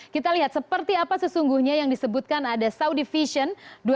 kita lihat seperti apa sesungguhnya yang disebutkan ada saudi vision dua ribu dua puluh